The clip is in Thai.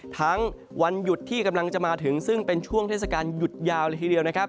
วันหยุดที่กำลังจะมาถึงซึ่งเป็นช่วงเทศกาลหยุดยาวเลยทีเดียวนะครับ